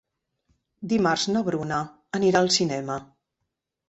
Dimarts na Bruna anirà al cinema.